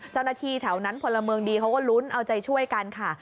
เจ้าหน้าที่แถวนั้นพลเมืองดีเขาก็ลุ้นเอาใจช่วยกันค่ะ